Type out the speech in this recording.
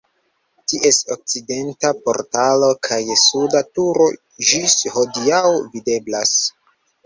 Ties okcidenta portalo kaj suda turo ĝis hodiaŭ videblas.